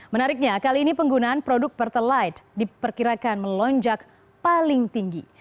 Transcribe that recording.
menariknya kali ini penggunaan produk pertalite diperkirakan melonjak paling tinggi